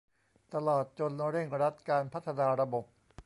ตลอดจนเร่งรัดการพัฒนาระบบ